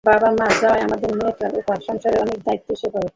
বাবা মারা যাওয়ায় আদরের মেয়েটার ওপর সংসারের অনেক দায়িত্ব এসে পড়ে।